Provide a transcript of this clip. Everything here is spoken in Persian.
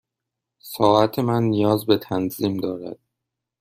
ساعت من نیاز به تنظیم دارد.